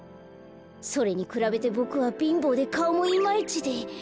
それにくらべてボクはびんぼうでかおもイマイチで。